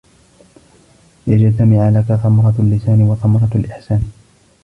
لِيَجْتَمِعَ لَك ثَمَرَةُ اللِّسَانِ وَثَمَرَةُ الْإِحْسَانِ